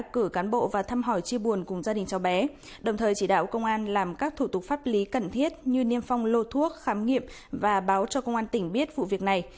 chỉ đạo công an làm các thủ tục pháp lý cần thiết như niêm phong lô thuốc khám nghiệm và báo cho công an tỉnh biết vụ việc này